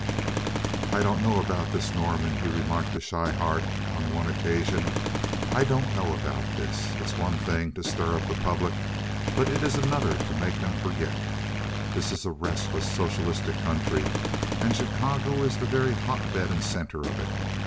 "I don't know about this, Norman," he remarked to Schryhart, on one occasion. "I don't know about this. It's one thing to stir up the public, but it's another to make them forget. This is a restless, socialistic country, and Chicago is the very hotbed and center of it.